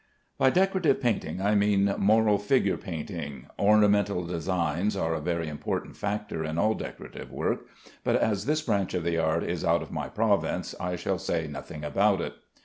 By decorative painting, I mean moral figure painting. Ornamental designs are a very important factor in all decorative work, but as this branch of the art is out of my province, I shall say nothing about it.